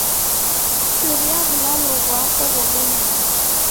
Churia w'ulalo ghwako ghobonya nicha.